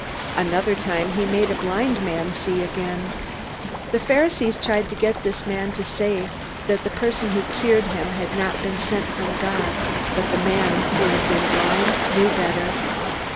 Another time he made a blind man see again. The Pharisees tried to get this man to say that the person who cured him had not been sent from God. But the man who had been blind knew better.